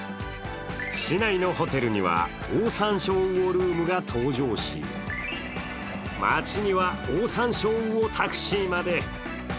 市内のホテルにはオオサンショウウオルームが登場し街にはオオサンショウウオタクシーまで。